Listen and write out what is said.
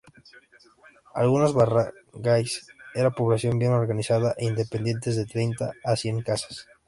Algunos barangays era poblaciones bien organizadas e independientes, de treinta a cien casas.